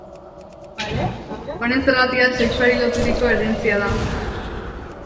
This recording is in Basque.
Honen zergatia sexuari loturiko herentzia da.